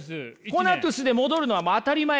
コナトゥスで戻るのは当たり前。